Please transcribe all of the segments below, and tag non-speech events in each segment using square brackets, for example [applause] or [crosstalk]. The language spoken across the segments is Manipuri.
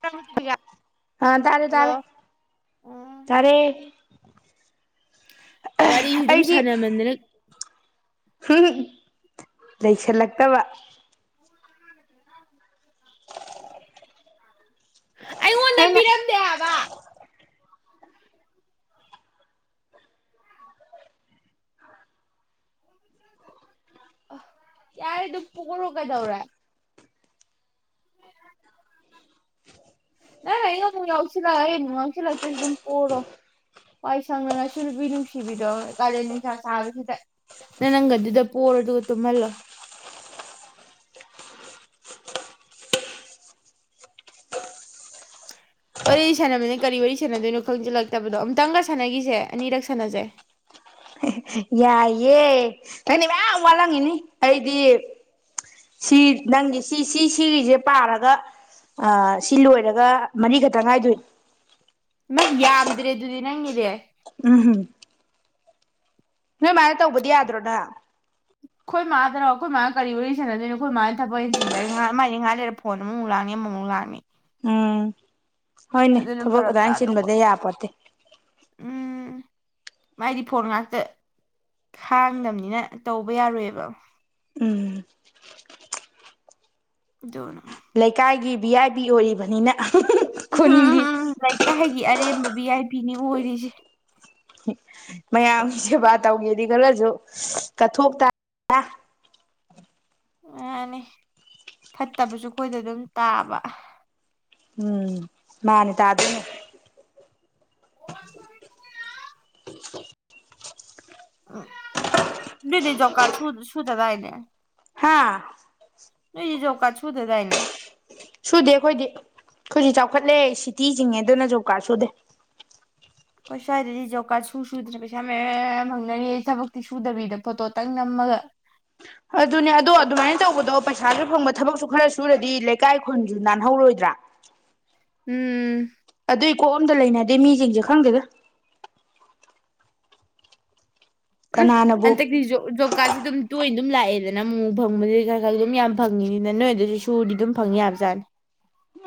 ꯍꯜꯂꯣ ꯑꯥ ꯇꯔꯦ ꯇꯔꯦ ꯎꯝ ꯇꯔꯦ ꯋꯥꯔꯤꯁꯤ ꯑꯗꯨꯝ ꯁꯥꯟꯅꯃꯟꯗꯅ ꯎꯝ ꯂꯩꯁꯤꯜꯂꯛꯇꯕ ꯑꯩꯉꯣꯟꯗ ꯑꯩꯅ ꯄꯤꯔꯝꯗꯦ ꯍꯥꯏꯕ ꯌꯥꯔꯦ ꯑꯗꯨ ꯄꯨꯔꯣ ꯀꯩꯗꯧꯔꯦ ꯅꯪ ꯑꯉ ꯑꯃꯨꯛ ꯌꯥꯎꯁꯤꯜꯂꯛ ꯑꯩ ꯑꯃꯨꯛ ꯌꯥꯎꯁꯤꯜꯂꯛꯇꯁꯨ ꯑꯗꯨꯝ ꯄꯣꯔꯣ ꯋꯥꯏ ꯁꯪꯗꯅꯁꯨ ꯅꯨꯄꯤ ꯅꯨꯡꯁꯤꯕꯤꯔꯣ ꯀꯥꯗꯦꯟ ꯅꯨꯡꯁꯥ ꯁꯥꯥꯕꯁꯤꯗ ꯅ ꯅꯪꯒꯗꯨꯗ ꯄꯣꯔꯣ ꯑꯗꯨꯒ ꯇꯨꯝꯍꯜꯂꯣ ꯋꯥꯔꯤ ꯁꯥꯟꯅꯕꯅꯦ ꯀꯔꯤ ꯋꯥꯔꯤ ꯁꯥꯟꯅꯗꯣꯏꯅꯣ ꯈꯪꯖꯤꯜꯂꯛꯇꯕꯗꯣ ꯑꯃꯨꯛꯇꯪꯒ ꯁꯥꯟꯅꯈꯤꯁꯦ ꯑꯅꯤꯔꯛ ꯁꯥꯟꯅꯁꯩ ꯌꯥꯏꯑꯦ ꯅꯪꯩꯅ ꯃꯌꯥꯝ ꯋꯥꯠꯂꯝꯉꯤꯅꯤ ꯑꯩꯗꯤ ꯁꯤ ꯅꯪꯗꯤ ꯁꯤ ꯁꯤ ꯁꯤꯒꯤꯁꯦ ꯄꯥꯔꯒ ꯑ ꯁꯤ ꯂꯣꯏꯔꯒ ꯃꯔꯤꯈꯛꯇ ꯉꯥꯏꯗꯣꯏ ꯏꯃꯥ ꯌꯥꯝꯗ꯭ꯔꯦ ꯑꯗꯨꯗꯤ ꯅꯪꯒꯤꯅꯦ ꯎꯝ ꯍꯝ ꯅꯣꯏ ꯃꯥꯅ ꯇꯧꯕꯗꯤ ꯌꯥꯗ꯭ꯔꯣꯅ ꯑꯩꯈꯣꯏ ꯃꯥꯥꯗꯅꯣ ꯑꯩꯈꯣꯏ ꯃꯥꯒ ꯀꯔꯤ ꯋꯥꯔꯤꯔꯤ ꯁꯥꯟꯟꯅꯗꯣꯏꯅꯣꯈꯣꯏ ꯃꯥꯅ ꯊꯕꯛ ꯍꯦꯟꯟꯖꯦ ꯃ ꯃꯥꯥꯏꯥꯏ ꯂꯩꯔ ꯐꯣꯟ ꯑꯃꯃꯨꯛ ꯂꯥꯡꯅꯤ ꯑꯃꯃꯨꯛ ꯂꯥꯡꯅꯤ ꯑꯝ ꯍꯣꯏꯅꯦ ꯑꯗꯨꯅ ꯊꯕꯛ ꯐꯔꯛ ꯑꯗꯨꯗꯥꯥꯏ ꯇꯥꯗꯧꯕ ꯆꯟꯕꯗ ꯌꯥꯄꯠꯇꯦ ꯃꯗꯤ ꯐꯣꯟ ꯉꯥꯛꯇ ꯈꯥꯡꯗꯕꯅꯤꯅ ꯇꯧꯕ ꯌꯥꯔꯣꯏꯑꯕ ꯎꯝ ꯗꯅ ꯕꯤ ꯑꯥꯏ ꯕꯤ ꯑꯣꯏꯔꯤꯕꯅꯤꯅ ꯈꯨꯟꯒꯤ ꯂꯩꯀꯥ ꯍꯥꯏꯒꯤ ꯑꯔꯦꯝꯕ ꯚꯤ ꯑꯥꯏ ꯄꯤꯅꯤ ꯑꯣꯏꯔꯤꯁꯦ ꯃꯌꯥꯝꯒꯤ ꯁꯦꯕꯥ ꯇꯧꯒꯦꯗꯤ ꯈꯔꯁꯨ ꯀꯠꯊꯣꯛꯇ ꯌꯥꯅꯤ ꯐꯠꯇꯕꯁꯨ ꯑꯩꯈꯣꯏꯗ ꯑꯗꯨꯝ ꯇꯥꯕ ꯎꯝ ꯃꯥꯅꯦ ꯇꯥ ꯑꯗꯨꯅꯦ ꯑꯣ ꯎ ꯃꯤꯗꯤꯅꯤ ꯆꯧꯀꯥ ꯁ ꯁꯨꯗꯗꯥꯏꯅꯦ ꯍꯥꯥ ꯅ ꯏꯖꯧꯀꯥꯗ ꯁꯨꯗꯗꯥꯥꯏꯅꯦ ꯁꯨꯗꯦ ꯑꯩꯈꯣꯏꯗꯤ ꯑꯩꯈꯣꯏꯗꯤ ꯆꯥꯎꯈꯠꯂꯦ ꯁꯤꯇꯤ ꯆꯤꯡꯉꯦ ꯑꯗꯨꯅ ꯖꯣ ꯀꯥꯔ ꯁꯨꯗꯦ ꯑꯩꯣꯏ ꯁ꯭ꯋꯥꯏꯗ ꯔꯤꯖꯣꯕ ꯀꯥꯔꯗ ꯁꯨ ꯁꯨꯗꯅ ꯄꯩꯁꯥ ꯃꯌꯥꯝ ꯍꯪꯅꯔꯤ ꯊꯕꯛꯇꯤ ꯁꯨꯗꯕꯤꯗ ꯐꯣꯇꯣꯇꯪ ꯅꯝꯃꯒ ꯑꯗꯨꯅꯦ ꯑꯗꯣ ꯑꯗꯨꯃꯥꯏꯅ ꯇꯧꯕꯗꯣ ꯄꯩꯁꯥꯁꯨ ꯐꯪꯕ ꯊꯕꯛꯁꯨ ꯈꯔ ꯁꯨꯔꯗꯤ ꯂꯩꯀꯥꯏ ꯈꯨꯟꯁꯨ ꯅꯥꯟꯍꯧꯔꯣꯏꯗ꯭ꯔꯥ ꯎꯝ ꯑꯗꯨꯏ ꯀꯣꯛ ꯑꯝꯇ ꯂꯩꯅꯗꯦ ꯃꯤꯁꯤꯡꯁꯦ ꯈꯪꯗꯦꯗ ꯎꯝ ꯀꯅꯥꯅꯕꯨ ꯍꯟꯗꯛꯇꯤ ꯖꯣ ꯖꯣꯕꯀꯥꯔꯗꯁꯨ ꯗꯨꯝ ꯇꯣꯏꯅꯤ ꯑꯗꯨꯝ ꯂꯥꯛꯑꯦꯗꯅ ꯃꯨꯛꯃꯨꯛ ꯐꯪꯕꯗꯨ ꯈꯔ ꯈꯔ ꯑꯗꯨꯝ ꯌꯥꯝ ꯐꯪꯉꯤꯅꯤꯅ ꯅꯣꯏ ꯑꯗꯨꯁꯨ ꯁꯨꯔꯗꯤ ꯑꯗꯨꯝ ꯐꯪ ꯌꯥꯕꯖꯥꯠꯅꯤ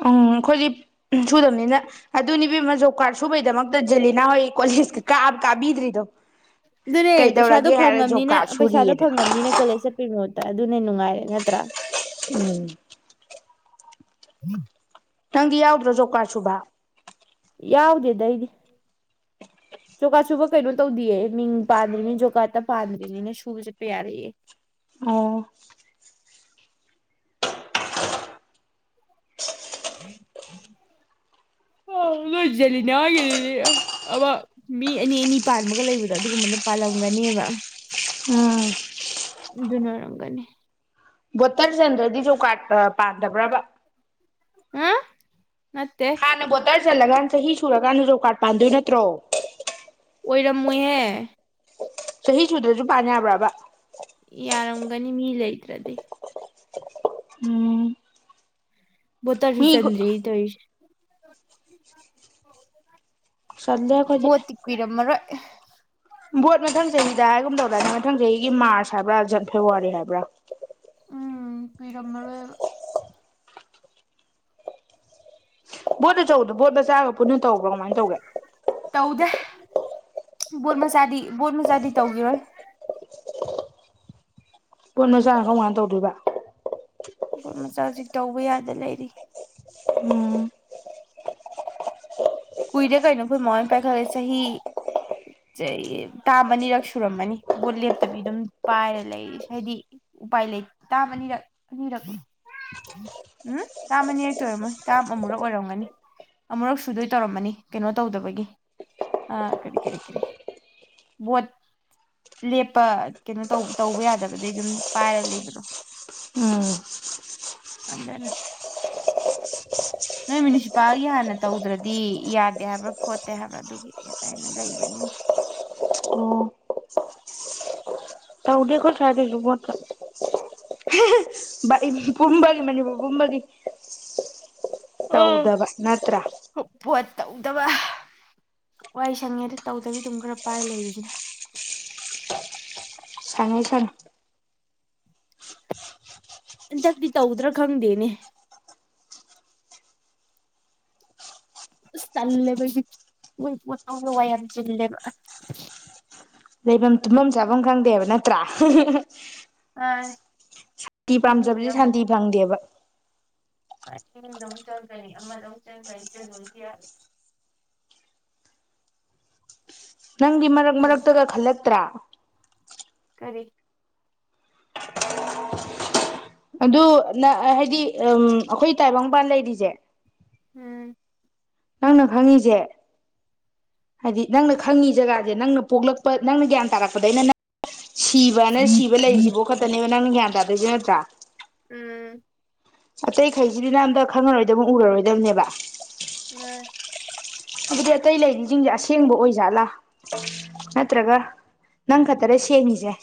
ꯎꯝ ꯑꯩꯈꯣꯏꯗꯤ ꯁꯨꯗꯕꯅꯤꯅ ꯑꯗꯨꯅꯤ ꯏꯕꯦꯝꯃ ꯖꯣꯕ ꯀꯥꯔꯗ ꯁꯨꯕꯩꯗꯃꯛꯇ ꯖꯦꯂꯤꯅꯥ ꯍꯣꯏ ꯀꯣꯂꯦꯖꯀ ꯀ ꯀꯥꯕꯤꯗ꯭ꯔꯤꯗꯣ ꯑꯗꯨꯅꯦ ꯄꯩꯁꯥꯗꯣ ꯀꯩꯗꯧꯔꯒꯦ ꯍꯥꯏꯔ ꯖꯣꯕ ꯐꯪꯉꯕꯅꯤꯅ ꯀꯥꯔꯗ ꯄꯩꯁꯥꯗꯣ ꯁꯨꯔꯤꯌꯦꯗ ꯐꯪꯉꯕꯅꯤꯅ ꯀꯣꯂꯦꯖ ꯆꯠꯄꯩ ꯃꯍꯨꯠ ꯑꯗꯨꯅꯦ ꯅꯨꯡꯉꯥꯏꯔꯦ ꯅꯠꯇ꯭ꯔꯥ ꯎꯝ [inaudible] ꯅꯪꯗꯤ ꯌꯥꯎꯗ꯭ꯔꯣ ꯖꯣꯕꯀꯥꯔꯗ ꯁꯨꯨꯕ ꯌꯥꯎꯗꯦꯗ ꯑꯩꯗꯤ ꯖꯣꯀꯥꯠ ꯁꯨꯕ ꯀꯩꯅꯣ ꯇꯧꯗꯦꯌꯦ ꯃꯤꯡ ꯄꯥꯟꯗ꯭ꯔꯤꯉꯩ ꯖꯣꯀꯥꯠꯇ ꯄꯥꯟꯗ꯭ꯔꯤꯅꯤꯅ ꯁꯨꯕ ꯆꯠꯄ ꯌꯥꯔꯦꯌꯦ ꯑꯣ ꯅꯣꯏ ꯖꯦꯂꯤꯅꯥ ꯍꯣꯏꯒꯤꯗꯨꯗꯤ ꯑꯃ ꯃꯤ ꯑꯅꯤ ꯑꯅꯤ ꯄꯥꯟꯕꯒ ꯂꯩꯕꯗꯣ ꯑꯗꯨꯒꯨꯝꯕꯅ ꯄꯥꯜꯂꯝꯒꯅꯦꯕ ꯎꯝ ꯑꯗꯨꯅ ꯑꯣꯏꯔꯝꯒꯅꯤ ꯕꯣꯇꯔ ꯆꯟꯗ꯭ꯔꯗꯤ ꯖꯣꯕꯀꯥꯠ ꯄꯥꯗꯕ꯭ꯔꯕ ꯍꯨꯝ ꯅꯠꯇꯦ ꯍꯥꯟꯅ ꯕꯣꯇꯔ ꯆꯜꯂꯀꯥꯟ ꯆꯍꯤ ꯁꯨꯔꯀꯥꯟꯗ ꯖꯣꯕꯀꯥꯔꯠ ꯄꯥꯟꯗꯣꯏ ꯅꯠꯇ꯭ꯔꯣ ꯑꯣꯏꯔꯝꯃꯣꯏꯍꯦ ꯆꯍꯤ ꯁꯨꯗ꯭ꯔꯁꯨ ꯄꯥꯟ ꯌꯥꯕ꯭ꯔꯕ ꯌꯥꯔꯝꯒꯅꯤ ꯃꯤ ꯂꯩꯇ꯭ꯔꯗꯤ ꯎꯝ ꯚꯣꯇꯔꯁꯨ ꯃꯤ ꯆꯟꯗ꯭ꯔꯤ ꯇꯧꯔꯤꯁꯦ [inaudible] ꯆꯜꯂꯦ ꯑꯩꯈꯣꯏꯗꯤ ꯐꯣꯠꯇꯤ ꯀꯨꯏꯔꯝꯃꯔꯣꯏ ꯚꯣꯠ ꯃꯊꯪ ꯆꯍꯤꯗ ꯍꯥꯏꯒꯨꯝ ꯇꯧꯗꯥꯏꯅꯦ ꯃꯊꯪ ꯆꯍꯤꯒꯤ ꯃꯥꯔꯁ ꯍꯥꯏꯕ꯭ꯔꯥ ꯖꯟ ꯐꯦꯕꯋꯥꯔꯤ ꯍꯥꯏꯕ꯭ꯔꯥ ꯎꯝ ꯀꯨꯏꯔꯝꯃꯔꯣꯏꯕ ꯚꯣꯠ ꯑꯆꯧꯕꯗꯣ ꯚꯣꯠ ꯃꯆꯥꯒ ꯄꯨꯟꯅ ꯇꯧꯕ꯭ꯔꯥ ꯀꯃꯥꯏꯅ ꯇꯧꯒꯦ ꯇꯧꯗꯦ ꯕꯣꯠ ꯃꯆꯥꯗꯤ ꯕꯣꯠ ꯃꯆꯥꯗꯤ ꯇꯧꯈꯤꯔꯣꯏ ꯚꯣꯠ ꯃꯆꯥꯅ ꯀꯔꯝ ꯀꯥꯟꯅ ꯇꯧꯗꯣꯏꯕ ꯚꯣꯠ ꯃꯆꯥꯁꯤ ꯇꯧꯕ ꯌꯥꯗ ꯂꯩꯔꯤ ꯎꯝ ꯀꯨꯏꯔ ꯀꯩꯅꯣ ꯑꯩꯈꯣꯏ ꯃꯥ ꯍꯣꯏ ꯄꯥꯏꯈꯠꯂꯛꯏ ꯆꯍꯤ ꯇꯥꯝ ꯑꯅꯤꯔꯛ ꯁꯨꯔꯝꯃꯅꯤ ꯕꯣꯠ ꯂꯦꯞꯇꯕꯤ ꯑꯗꯨꯝ ꯄꯥꯏꯔ ꯂꯩꯔꯤ ꯍꯥꯏꯗꯤ ꯎꯄꯥꯏ ꯂꯩ ꯇꯦ ꯇꯥꯝ ꯑꯅꯤꯔꯛ ꯑꯅꯤꯔꯛ ꯎꯝ ꯇꯥꯝ ꯑꯅꯤꯔꯛꯇ ꯑꯣꯏꯔꯝꯃꯣꯏ ꯇꯥꯝ ꯑꯃꯨꯔꯛ ꯑꯣꯏꯔꯝꯒꯅꯤ ꯑꯃꯨꯔꯛ ꯁꯨꯗꯣꯏ ꯇꯧꯔꯝꯃꯅꯤ ꯀꯩꯅꯣ ꯇꯧꯗꯕꯒꯤ ꯀꯔꯤ ꯀꯔꯤ ꯀꯔꯤ ꯚꯣꯠ ꯂꯦꯞꯄ ꯀꯩꯅꯣ ꯇꯧ ꯇꯧꯕ ꯌꯥꯗꯕꯗꯒꯤ ꯑꯗꯨꯝ ꯄꯥꯏꯔ ꯂꯩꯕꯗꯣ ꯎꯝ ꯑꯗꯨꯅ ꯅꯣꯏ ꯃ꯭ꯌꯨꯅꯤꯁꯤꯄꯥꯜꯒꯤ ꯍꯥꯟꯅ ꯇꯧꯗ꯭ꯔꯗꯤ ꯌꯥꯗꯦ ꯍꯥꯏꯕ꯭ꯔꯥ ꯈꯣꯠꯇꯦ ꯍꯥꯏꯕ꯭ꯔꯥ ꯑꯗꯨꯒꯤꯇꯅ ꯂꯩꯕꯅꯤꯅꯦ ꯑꯣ ꯇꯧꯗꯦ ꯑꯈꯣꯏ ꯁꯥꯏꯗꯁꯨ ꯚꯣꯠꯀ ꯄꯨꯝꯕꯒꯤ ꯃꯅꯤꯄꯨꯔ ꯄꯨꯝꯕꯒꯤ ꯑꯥ ꯇꯧꯗꯕ ꯅꯠꯇ꯭ꯔ ꯄꯣꯠ ꯇꯧꯗꯕ ꯋꯥꯏ ꯁꯪꯉꯦꯗ ꯇꯧꯗꯕꯤ ꯑꯗꯨꯝ ꯈꯔ ꯄꯥꯏ ꯂꯩꯕꯁꯤꯅ ꯁꯪꯉꯦ ꯁꯪꯉꯦ ꯍꯟꯗꯛꯇꯤ ꯇꯧꯗ꯭ꯔ ꯈꯪꯗꯦꯅꯦ ꯑꯁ ꯇꯜꯂꯦꯕ ꯑꯩꯗꯤ ꯃꯣꯏ ꯇꯧꯕꯗ ꯋꯥꯏꯌꯥꯝ ꯆꯤꯜꯂꯦꯕ ꯂꯩꯐꯝ ꯇꯨꯝꯐꯝ ꯆꯥꯐꯝ ꯈꯪꯗꯦꯕ ꯅꯠꯇ꯭ꯔꯥ ꯑ ꯁꯥꯟꯇꯤ ꯄꯥꯝꯖꯕꯗꯤ ꯁꯥꯟꯇꯤ ꯐꯪꯗꯦꯕ ꯏꯤꯡꯗꯧꯛ ꯆꯪꯈꯅꯤ ꯑꯃꯗꯧꯛ ꯆꯪꯒꯅꯤ ꯆꯠꯂ ꯌꯥ ꯎ ꯅꯪꯒꯤ ꯃꯔꯛ ꯎꯝ ꯃꯔꯛꯇꯒ ꯈꯜꯂꯛꯇ꯭ꯔꯥ ꯀꯔꯤ ꯑꯗꯨ ꯅ ꯍꯥꯏꯗꯤ ꯎ ꯑꯩꯈꯣꯏ ꯇꯥꯏꯕꯪꯄꯥꯟ ꯂꯩꯔꯤꯁꯦ ꯎꯝ ꯅꯪꯅ ꯈꯪꯉꯤꯁꯦ ꯍꯥꯏꯗꯤ ꯅꯪꯅ ꯈꯪꯉꯤ ꯖꯒꯥꯁ ꯅꯪꯅ ꯄꯣꯛꯂꯛꯄ ꯅꯪꯅ ꯒ꯭ꯌꯥꯟ ꯇꯥꯔꯛꯄꯗꯩꯅ ꯅꯪ ꯁꯤꯕꯅ ꯁꯤꯕ ꯂꯩꯔꯤꯁꯤꯕꯣ ꯈꯛꯇꯅ‌ꯦ ꯅꯪ ꯒꯌ‍꯭ꯥꯟ ꯇꯥꯗ‌ꯣꯏꯁꯤ ꯅꯠꯇ꯭ꯔꯥ ꯎꯝ ꯑꯇꯩꯈꯩꯁꯤꯗꯤꯅꯪ ꯑꯝꯇ ꯈꯪꯉꯔꯣꯏꯗꯕ ꯎꯔꯔꯣꯏꯗꯕꯅꯦꯕ ꯎꯡ ꯑꯗꯨꯗꯤ ꯑꯇꯩ ꯂꯩꯔꯤꯁꯤꯡꯁꯦ ꯑꯁꯦꯡꯕ ꯑꯣꯏꯖꯥꯠꯂꯥ ꯅꯠꯇ꯭ꯔꯒ ꯅꯪ ꯈꯛꯇꯔ ꯁꯦꯡꯉꯤꯁꯦ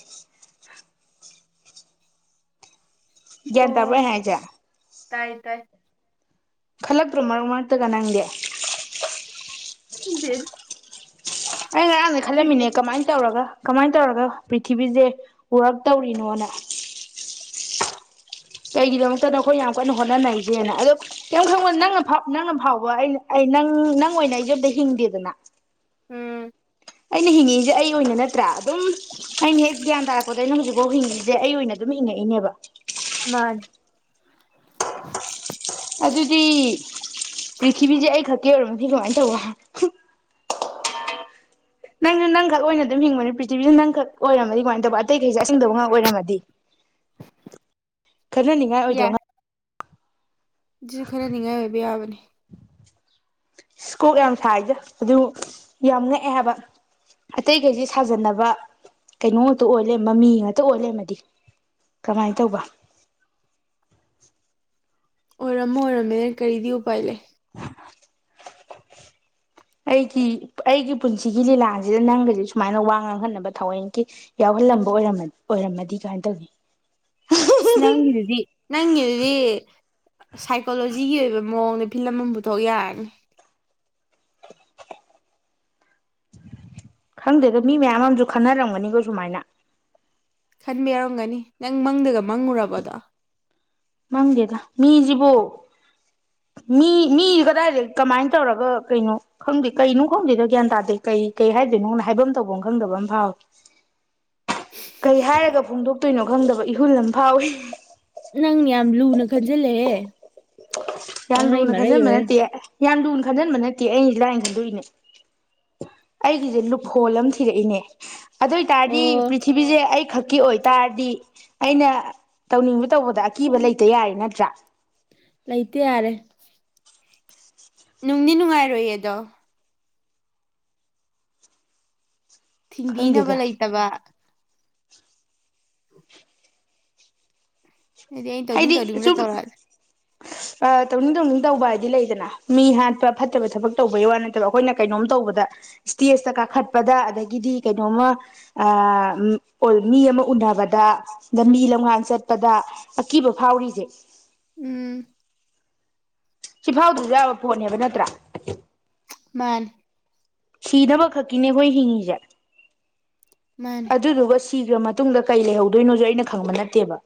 ꯒꯌ꯭ꯥꯟ ꯇꯥꯕꯔ‌ꯣ ꯑꯣ ꯑꯩꯅꯥ ꯍꯥꯏꯖ‌ꯦ ꯇꯥꯏ ꯇꯥꯏ ꯈꯜꯂꯛꯇ꯭ꯔꯣ ꯃꯔꯛ ꯃꯔꯛꯇꯒ ꯅꯪꯗꯤ ꯈꯟꯗ‌ꯦ ꯑꯩ ꯉꯔꯥꯡꯗꯩ ꯈꯜꯂꯝꯃꯤꯅꯦ ꯀꯃꯥꯏꯅ ꯇꯧꯔꯒ ꯀꯃꯥꯏꯅ ꯇꯧꯔꯒ ꯄ꯭ꯔꯤꯊꯤꯕꯤꯁꯦ ꯌꯥꯔ꯭ꯛ ꯇꯧꯔꯤꯅꯣꯅ ꯀꯩꯒꯤꯗꯃꯛꯇꯅꯣ ꯑꯩꯈꯣꯏ ꯌꯥꯝ ꯀꯟꯅ ꯍꯣꯠꯅꯅꯔꯤꯁꯦꯅ ꯑꯗꯣ ꯀꯩꯝ ꯈꯪꯕ ꯅꯪꯅ ꯅꯪꯅ ꯐꯥꯎꯕ ꯑꯩꯅ ꯑꯩ ꯅꯪ ꯅꯪ ꯑꯣꯏꯅ ꯑꯩꯁꯦ ꯑꯝꯇ ꯍꯤꯡꯗꯦꯗꯅ ꯎꯝ ꯑꯩꯅ ꯍꯤꯡꯉꯛꯏꯁꯦ ꯑꯩ ꯑꯣꯏꯅ ꯅꯠꯇ꯭ꯔꯥ ꯑꯗꯨꯝ ꯑꯩꯅꯥ ꯍ‌ꯦꯛ ꯒꯌ꯭ꯥꯟ ꯇꯥꯔꯛ ꯇꯥꯔꯛꯄꯗꯩꯅ ꯍꯧꯖꯤꯛꯐꯥꯎ ꯍꯤꯡꯉꯛꯏꯁꯦ ꯑꯩ ꯑꯣꯏꯅ ꯑꯗꯨꯝ ꯍꯤꯡꯉꯛꯏꯅꯦꯕ ꯃꯥꯅꯤ ꯑꯗꯨꯗꯤ ꯄ꯭ꯔꯤꯊꯤꯕꯤꯁꯦ ꯑꯩ ꯈꯛꯀꯤ ꯑꯣꯏꯔꯝꯃꯗꯤ ꯀꯃꯥꯏꯅ ꯇꯧꯕꯥ ꯅꯪꯁꯨ ꯅꯪꯈꯛ ꯑꯣꯏꯅ ꯑꯗꯨꯝ ꯍꯤꯡꯕꯅꯤ ꯄ꯭ꯔꯤꯊꯤꯕꯤꯗ ꯅꯪꯈꯛ ꯑꯣꯏꯔꯝꯃꯗꯤ ꯀꯃꯥꯏꯅ ꯇꯧꯕ ꯑꯇꯩꯈꯩꯁꯦ ꯑꯁ‌ꯦꯡꯗꯕ ꯉꯥꯛ ꯑꯣꯏꯔꯝꯃꯗꯤ ꯈꯟꯅꯥꯅꯤꯡꯉꯥꯏ ꯑꯣꯏꯗ꯭ꯔꯣ ꯁꯤꯁꯨ ꯈꯟꯅꯥꯅꯤꯡꯉꯥꯏ ꯑꯣꯏꯕ ꯌꯥꯕꯅꯦ ꯏꯁ ꯀꯣꯞ ꯌꯥꯝ ꯁꯥꯏꯗ ꯑꯗꯨ ꯌꯥꯝ ꯉꯛꯑꯦ ꯍꯥꯏꯕ ꯑꯇꯩꯈꯩꯁꯤ ꯁꯥꯖꯟꯅꯕ ꯀꯩꯅꯣ ꯉꯥꯛꯇ ꯑꯣꯏ ꯂꯩꯔꯕ ꯃꯤ ꯉꯥꯛꯇ ꯑꯣꯏ ꯂꯩꯔꯃꯗꯤ ꯀꯃꯥꯏꯅ ꯇꯧꯕ ꯑꯣꯏꯔꯝ ꯑꯣꯏꯔꯝꯃꯦ ꯀꯔꯤꯗꯤ ꯎꯄꯥꯏ ꯂꯩ ꯑꯩꯒꯤ ꯑꯩꯒꯤ ꯄꯨꯟꯁꯤꯒꯤ ꯂꯤꯂꯥꯁꯤꯗ ꯅꯪꯒꯗꯤ ꯁꯨꯃꯥꯏꯅ ꯋꯥ ꯉꯥꯡꯍꯟꯅꯕ ꯊꯋ‌ꯣꯟꯀꯤ ꯌꯥꯎꯍꯜꯂꯝꯕꯔ ꯑꯣꯏꯔꯝꯃꯗꯤ ꯀꯃꯥꯏꯅ ꯇꯧꯅꯤ ꯅꯪꯒꯤꯗꯨꯗꯤ ꯅꯪꯒꯤꯗꯨꯗꯤ ꯁꯥꯏꯀꯣꯂꯣꯖꯤꯒꯤ ꯑꯣꯏꯕ ꯃꯑꯣꯡꯗ ꯐꯤꯂꯝ ꯑꯃ ꯄꯨꯊꯣꯛ ꯌꯥꯔꯅꯤ ꯈꯪꯗꯦꯗ ꯃꯤ ꯃꯌꯥꯝ ꯑꯃꯁꯨ ꯈꯟꯅꯔꯝꯒꯅꯤꯀꯣ ꯁꯨꯃꯥꯏꯅ ꯈꯟꯕ ꯌꯥꯔꯝꯒꯅꯤ ꯅꯪ ꯃꯪꯗꯒ ꯃꯪꯉꯨꯔꯕ ꯑꯗ‌ꯣ ꯃꯪꯗꯦꯗ ꯃꯤꯁꯤꯕꯨ ꯃꯤ ꯃꯤꯁꯤ ꯀꯗꯥꯏꯗ ꯀꯃꯥꯏꯅ ꯇꯧꯔꯒ ꯀꯩꯅꯣ ꯈꯪꯗꯦ ꯀꯩꯅꯣ ꯈꯪꯗꯦꯗꯣ ꯒ꯭ꯌꯥꯟ ꯇꯥꯗꯦ ꯀꯩ ꯀꯩ ꯍꯥꯏꯗꯣꯏꯅꯣꯅ ꯍꯥꯏꯕ ꯇꯧꯕꯝ ꯈꯪꯗꯕ ꯑꯃ ꯐꯥꯎꯋꯤ ꯀꯩ ꯍꯥꯏꯔꯒ ꯐꯣꯡꯗꯣꯛꯇꯣꯏꯅꯣ ꯈꯪꯗꯕ ꯏꯍꯨꯜ ꯑꯃ ꯐꯥꯎꯏꯤ ꯅꯪ ꯌꯥꯝ ꯂꯨꯅ ꯈꯟꯖꯤꯜꯂꯍꯦ ꯌꯥꯝ ꯂꯨꯅꯥ ꯈꯟꯖꯟꯕꯥ ꯅꯠꯇ‌ꯦꯌ‌ꯦ ꯌꯥꯝ ꯂꯨꯅ ꯈꯟꯖꯤꯟꯕ ꯅꯠꯇꯦ ꯑꯩꯅ ꯂꯥꯏꯅ ꯈꯟꯗꯣꯛꯏꯅꯦ ꯑꯩꯒꯤꯁꯦ ꯂꯨꯞ ꯍꯣꯜ ꯑꯃ ꯊꯤꯔꯛꯏꯅꯦ ꯑꯗ‌ꯣꯏ ꯇꯔꯗꯤ ꯑꯣ ꯄ꯭ꯔꯤꯊꯤꯕꯤꯁꯦ ꯑꯩ ꯈ ꯈꯛꯀꯤ ꯑꯣꯏꯇꯥꯔꯗꯤ ꯑꯩꯅ ꯇꯧꯅꯤꯡꯕ ꯇꯧꯕꯗ ꯑꯀꯤꯕ ꯂꯩꯇ ꯌꯥꯔ‌ꯦ ꯅꯠꯇ꯭ꯔꯥ ꯂꯩꯥꯏꯇ ꯌꯥꯔꯦ ꯅꯨꯡꯗꯤ ꯅꯨꯡꯉꯥꯏꯔꯣꯏꯌꯦꯗꯣ ꯊꯤꯡꯕꯤꯅꯕ ꯈꯪꯗꯦꯗ ꯂꯩꯇꯕ ꯑꯗꯨꯗꯤ ꯑꯩꯅ ꯇꯧꯅꯤꯡ ꯍꯥꯏꯗꯤ ꯇꯧꯅꯤꯡꯉꯗ ꯁꯨꯝ ꯇꯧꯔꯛꯑꯦ ꯇꯧꯅꯤꯡ ꯇꯧꯅꯤꯡ ꯇꯧꯕ ꯍꯥꯏꯗꯤ ꯂꯩꯗꯅ ꯃꯤ ꯍꯥꯠꯄ ꯐꯠꯇꯕ ꯊꯕꯛ ꯇꯧꯕꯩ ꯋꯥ ꯅꯠꯇꯕ ꯑꯩꯈꯣꯏꯅ ꯀꯩꯅꯣꯝ ꯇꯧꯕꯗ ꯏꯁꯇꯦꯖꯇ ꯀꯥꯈꯠꯄꯗ ꯑꯗꯒꯤꯗꯤ ꯀꯩꯅꯣꯝꯃ ꯃꯤ ꯑꯃ ꯎꯅꯕꯗ ꯑ ꯃꯤ ꯂꯝꯉꯥꯟ ꯆꯠꯄꯗ ꯑꯀꯤꯕ ꯐꯥꯎꯔꯤꯁꯦ ꯎꯝ ꯁꯤꯐꯥꯎꯗꯨꯗ ꯌꯥꯕ ꯄꯣꯠꯅꯦꯕ ꯅꯠꯇ꯭ꯔꯥ ꯃꯥ ꯁꯤꯗꯕ ꯈꯛꯀꯤꯅꯦ ꯑꯩꯈꯣꯏ ꯍꯤꯡꯉꯤꯁꯦ ꯃꯥꯅꯦ ꯑꯗꯨꯗꯨꯁ ꯁꯤꯤꯈ꯭ꯔ ꯃꯇꯨꯡꯗ ꯀꯩ ꯂꯩꯍꯧꯗꯣꯏꯅꯣꯁꯨ ꯑꯩꯅ ꯈꯪꯕ ꯅꯠꯇꯦꯕ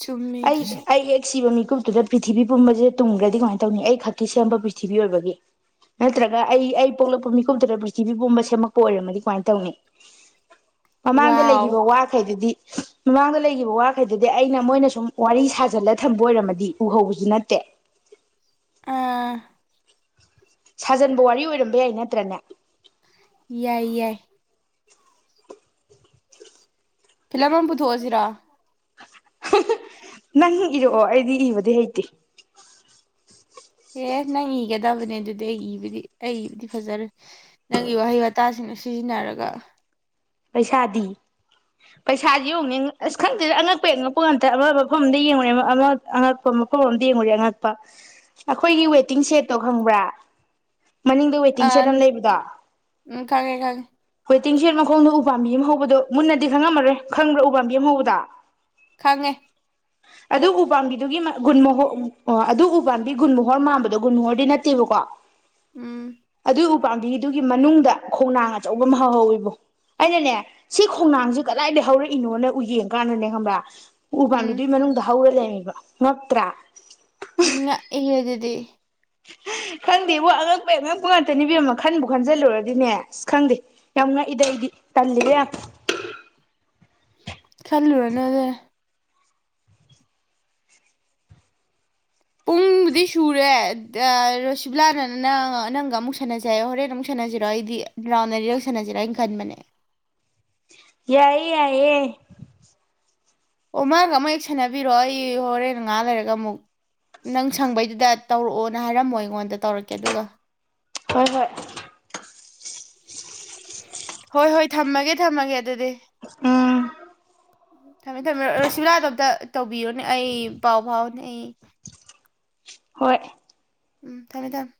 ꯆꯨꯝꯃꯦ ꯑꯩ ꯑꯗꯨꯁꯨ ꯑꯩ ꯌꯦꯛ ꯁꯤꯕ ꯃꯤꯀꯨꯞ ꯑꯗꯨꯗ ꯄ꯭ꯔꯤꯊꯤꯕꯤ ꯄꯨꯝꯕꯁꯦ ꯇꯨꯡꯈ꯭ꯔꯗꯤ ꯀꯃꯥꯏꯅ ꯇꯧꯅꯤ ꯑꯩ ꯈꯛꯀꯤ ꯁꯦꯝꯕ ꯄ꯭ꯔꯤꯊꯤꯕꯤ ꯑꯣꯏꯕꯒꯤ ꯅꯠꯇ꯭ꯔꯒ ꯑꯩ ꯑꯩ ꯄꯣꯛꯂꯛꯄ ꯃꯤꯀꯨꯞꯗꯨꯗ ꯄ꯭ꯔꯤꯊꯤꯕꯤ ꯄꯨꯝꯕ ꯁꯦꯝꯃꯛꯄ ꯑꯣꯏꯔꯝꯃꯗꯤ ꯀꯃꯥꯏꯅ ꯇꯧꯅꯤ ꯃꯃꯥꯡꯗ ꯋꯥꯎ ꯂꯩꯈꯤꯕ ꯋꯥꯈꯩꯗꯨꯗꯤ ꯃꯃꯥꯡꯗ ꯂꯩꯈꯤꯕ ꯋꯥꯈꯩꯗꯗꯤ ꯑꯩꯅ ꯃꯣꯏꯅ ꯁꯨꯝ ꯋꯥꯔꯤ ꯁꯥꯖꯤꯜꯂ ꯊꯝꯕ ꯑꯣꯏꯔꯝꯃꯗꯤ ꯎꯍꯧꯕꯁꯨ ꯅꯠꯇꯦ ꯑꯥ ꯁꯥꯖꯟꯕ ꯋꯥꯔꯤ ꯑꯣꯏꯔꯝꯕ ꯌꯥꯏ ꯅꯠꯇ꯭ꯔꯅꯦ ꯌꯥꯏ ꯌꯥꯏ ꯐꯤꯂ ꯃ ꯄꯨꯊꯣꯛꯑꯣ ꯁꯤꯔꯥ ꯅꯪ ꯏꯔꯛꯑꯣ ꯑꯩꯗꯤ ꯏꯕꯗꯤ ꯍꯩꯇꯦ ꯑꯦ ꯅꯪ ꯏꯒꯗꯕꯅꯦ ꯑꯗꯨꯗꯤ ꯑꯩ ꯏꯕꯨꯗꯤ ꯑꯩ ꯏꯕꯨꯗꯤ ꯐꯖꯔꯦ ꯅꯪꯒꯤ ꯋꯥꯍꯩ ꯋꯥꯇꯥꯁꯤꯡꯅ ꯁꯤꯖꯤꯟꯅꯔꯒ ꯄꯩꯁꯥꯗꯤ ꯄꯩꯁꯥꯗꯤ ꯌꯦꯡꯉꯅꯤ ꯑꯁ ꯈꯪꯗꯦꯗ ꯑꯉꯛꯄ ꯑꯉꯛꯄ ꯉꯇ ꯑꯃ ꯃꯐꯝ ꯑꯃꯗ ꯌꯦꯡꯉꯨꯔꯦ ꯑꯉꯛꯄ ꯃꯐꯝ ꯑꯗ ꯌꯦꯡꯉꯨꯔꯦ ꯑꯉꯛꯄ ꯑꯩꯈꯣꯏꯒꯤ ꯋꯦꯇꯤꯡ ꯁꯦꯠꯇꯣ ꯈꯪꯕ꯭ꯔꯥ ꯃꯅꯤꯡꯗ ꯑ ꯋꯦꯇꯤꯡ ꯁꯦꯠ ꯎꯝ ꯑꯃ ꯂꯩꯕꯗꯣ ꯈꯪꯉꯦ ꯈꯪꯉꯦ ꯇꯤꯡ ꯁꯔ ꯃꯈꯣꯡ ꯎ ꯎꯄꯥꯝꯕꯤ ꯑꯃ ꯍꯧꯕꯗꯣ ꯃꯨꯟꯅꯗꯤ ꯈꯪꯉꯝꯃꯔꯣꯏ ꯈꯪꯕ꯭ꯔꯥ ꯎ ꯄꯝꯕꯤ ꯑꯃ ꯍꯧꯕꯗ ꯈꯪꯉꯦ ꯑꯗꯨ ꯎꯄꯥꯝꯕꯤꯗꯨꯒꯤꯒꯨ ꯑꯗꯨ ꯎꯄꯥꯝꯕꯤ ꯒꯨꯟ ꯃꯣꯍꯣꯔ ꯃꯥꯟꯕꯗꯣ ꯒꯨ ꯃꯨꯍꯣꯔꯗꯤ ꯅꯠꯇꯦꯕꯀꯣ ꯎꯝ ꯑꯗ ꯄꯥꯝꯕꯤꯗꯨꯒꯤ ꯃꯅꯨꯡꯗ ꯈꯣꯡꯅꯥꯡ ꯑꯆꯧꯕ ꯑꯃ ꯍꯧꯍꯧꯋꯕ ꯑꯩꯅꯅꯦ ꯁꯤ ꯈꯣꯡꯅꯥꯡꯁꯦ ꯀꯗꯥꯏꯗꯒꯤ ꯍꯧꯔꯛꯏꯅꯣꯅ ꯎ ꯌꯦꯡ ꯀꯥꯟꯗꯅꯦ ꯈꯪꯕ꯭ꯔꯥ ꯎ ꯎꯝ ꯐꯥꯡꯕꯤꯗ ꯃꯅꯪꯝꯍꯥ ꯑꯣꯏꯕ ꯂ ꯂꯩ ꯃ꯭ꯔ ꯏ ꯍꯧꯖꯤꯦ ꯗ ꯈꯪꯗꯦꯕ ꯑꯉꯛꯄꯩ ꯑꯉꯛꯄ ꯉꯇꯅꯤꯕ ꯑꯃꯃ ꯈꯟꯕꯨ ꯈꯟꯖꯤꯜꯂꯨꯔꯗꯤꯅꯦ ꯑꯁ ꯈꯪꯗꯦ ꯌꯥꯝ ꯉꯛꯏꯗꯩꯗꯤ ꯇꯜꯂꯤꯔ ꯌꯥꯝ ꯈꯜꯂꯨ ꯍꯥꯏꯅꯗ ꯄꯨꯡꯕꯨꯗꯤ ꯁꯨꯔꯦꯣ ꯁꯤꯕꯂꯥꯅ ꯅꯪ ꯅꯪꯒ ꯑꯃꯨꯛ ꯁꯥꯟꯅꯖꯔ ꯍꯣꯔꯦꯟ ꯑꯃꯨꯛ ꯁꯥꯟꯅꯁꯤꯔꯣ ꯑꯩꯗꯤ ꯔꯥꯎꯟ ꯑꯔꯤꯔꯛ ꯁꯥꯟꯅꯁꯤꯔꯣ ꯑꯩꯅ ꯈꯟꯕꯅꯦ ꯌꯥꯏ ꯌꯥꯌꯦ ꯑꯣ ꯃꯥꯒ ꯑꯃꯛ ꯍꯦꯛ ꯁꯥꯟꯅꯕꯤꯔꯣ ꯑꯩ ꯍꯣꯔꯦꯟ ꯅ ꯉꯥ ꯂꯩꯔꯒ ꯑꯃꯨꯛ ꯅꯪ ꯁꯪꯕꯩꯗꯨꯗ ꯇꯧꯔꯛꯑꯣꯅ ꯍꯥꯏꯔꯝꯃꯣ ꯑꯩꯉꯣꯟꯗ ꯇꯧꯔꯛꯀꯦ ꯑꯗꯨꯒ ꯍꯣꯏ ꯍꯣꯏ ꯍꯣꯏ ꯍꯣꯏ ꯊꯝꯃꯒꯦ ꯊꯝꯃꯒꯦ ꯃꯗꯗꯤ ꯎꯝ ꯊꯝꯃꯦ ꯊꯝꯃꯦ ꯔꯣꯁꯨꯂꯥꯗꯣꯞꯇ ꯇꯧꯕꯤꯌꯨꯅꯦ ꯑꯩ ꯄꯥꯎ ꯐꯥꯎꯅꯦ ꯑꯩ ꯍꯣꯏ ꯎꯝ ꯊꯝꯃꯦ ꯊꯝꯃꯦ